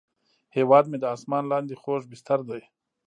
هیواد مې د اسمان لاندې خوږ بستر دی